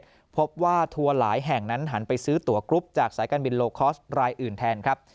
ก็พบว่าทัวร์หลายแห่งนั้นหันไปซื้อตัวกรุ๊ปจากสายการบินโลคอร์สรายอื่นแทนครับ